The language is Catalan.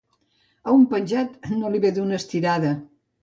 A un penjat no li ve d'una estirada.